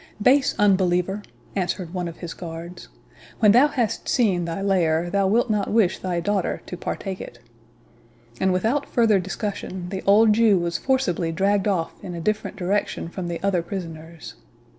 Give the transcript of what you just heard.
"Base unbeliever," answered one of his guards, "when thou hast seen thy lair, thou wilt not wish thy daughter to partake it." And, without farther discussion, the old Jew was forcibly dragged off in a different direction from the other prisoners.